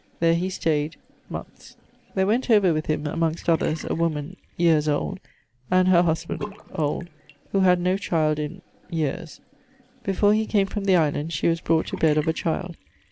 There he stayed ... moneths. There went over with him (amongst others) a woman ... yeares old, and her husband ... old, who had no child in ... yeares; before he came from the island, she was brought to bed of a child.